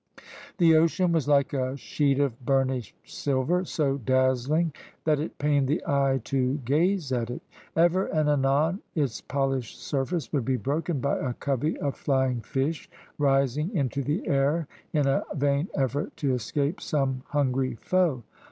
The ocean was like a sheet of burnished silver, so dazzling that it pained the eye to gaze at it. Ever and anon its polished surface would be broken by a covey of flying fish rising into the air in a vain effort to escape some hungry foe.